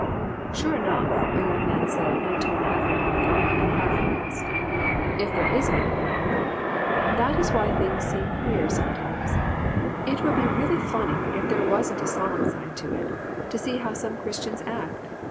"Sure enough!" a young man said in a tone half ironical and half earnest ;" there is another world ! That is why things seem queer some cimes. It would be really funny, if there wasn't a solemn side to it, to see how some Christians act.